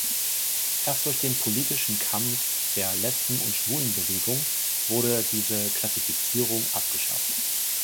Erst durch den politischen Kampf der Lesben- und Schwulenbewegung wurde diese Klassifizierung abgeschafft.